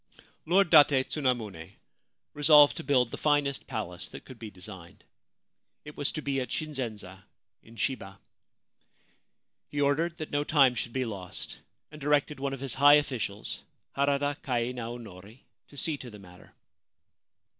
Lord Date Tsunamune resolved to build the finest palace that could be designed. It was to be at Shinzenza, in Shiba. He ordered that no time should be lost, and directed one of his high officials, Harada Kai Naonori, to see to the matter.